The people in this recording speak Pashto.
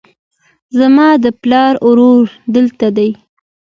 زما د پلار ورور دلته دی